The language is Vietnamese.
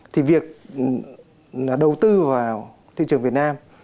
thì việc đầu tư vào thị trường việt nam